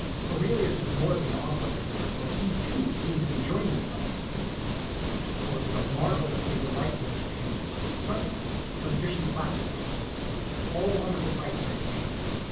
Aurelius was more than an onlooker here, for he, too, seemed to be joining the revelry. Oh, it was a marvelously delightful entertain ment ; but suddenly the magician clapped his hands. All the wonderful sights vanished.